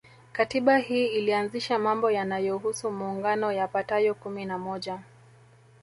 Katiba hii ilianzisha mambo yanayohusu muungano yapatayo kumi na moja